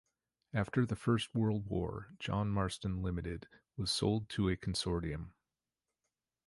After the First World War John Marston Limited was sold to a consortium.